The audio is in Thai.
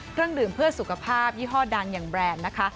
เครื่องดื่มเพื่อสุขภาพยี่ห้อดังอย่างแบรนด์นะคะ